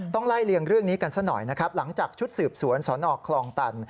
ไล่เลี่ยงเรื่องนี้กันซะหน่อยนะครับหลังจากชุดสืบสวนสนคลองตัน